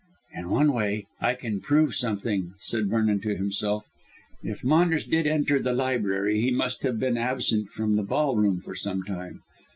"In one way I can prove something," said Vernon to himself. "If Maunders did enter the library he must have been absent from the ballroom for some time.